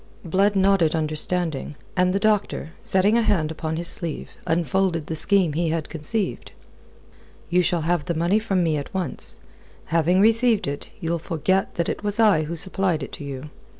Blood nodded understanding, and the doctor, setting a hand upon his sleeve, unfolded the scheme he had conceived. "You shall have the money from me at once. Having received it, you'll forget that it was I who supplied it to you.